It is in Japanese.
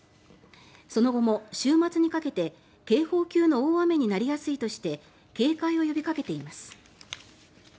その後も週末にかけて警報級の大雨になりやすいとして警戒を呼びかけています。